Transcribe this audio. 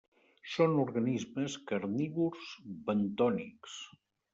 Són organismes carnívors bentònics.